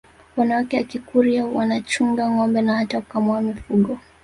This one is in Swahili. wanawake wa Kikurya wanachunga ngombe na hata kukamua mifugo